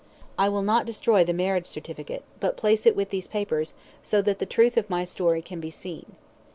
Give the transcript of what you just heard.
I will not destroy the marriage certificate, but place it with these papers, so that the truth of my story can be seen.